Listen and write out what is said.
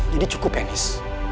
jadi cukup ya nis